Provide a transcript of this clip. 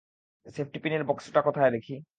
সেফটিপিনের বাক্সটা কোথায় দেখি।